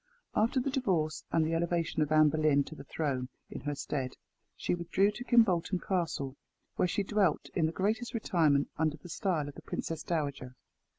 After the divorce and the elevation of Anne Boleyn to the throne in her stead, she withdrew to Kimbolten Castle, where she dwelt in the greatest retirement, under the style of the Princess Dowager.